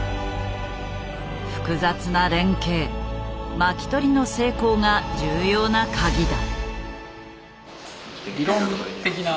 複雑な連係巻き取りの成功が重要な鍵だ。